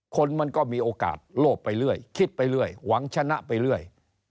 คนมันก็มีโอกาสโลภไปเรื่อยคิดไปเรื่อยหวังชนะไปเรื่อย